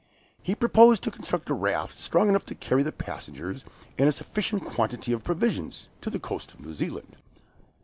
He proposed to construct a raft strong enough to carry the passengers, and a sufficient quantity of provisions, to the coast of New Zealand.